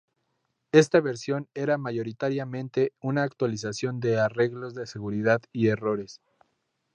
Esta versión era mayoritariamente una actualización de arreglos de seguridad y errores.